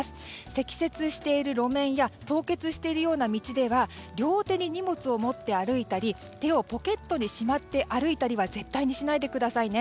積雪している路面や凍結しているような道では両手に荷物を持って歩いたり手をポケットにしまって歩いたりは絶対にしないでくださいね。